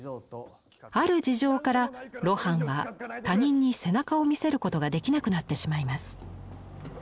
ある事情から露伴は他人に背中を見せることができなくなってしまいます。